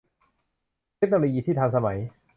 เทคโนโลยีที่ทันสมัย